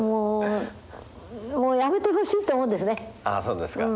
もうやめてほしいと思うんですね。